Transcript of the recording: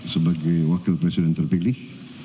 sebagai wakil presiden terpilih